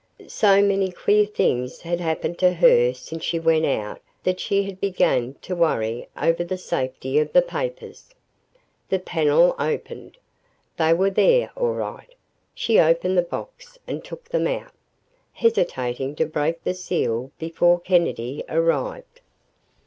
So many queer things had happened to her since she went out that she had begun to worry over the safety of the papers. The panel opened. They were there, all right. She opened the box and took them out, hesitating to break the seal before Kennedy arrived.